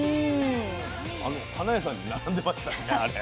花屋さんに並んでましたねあれ。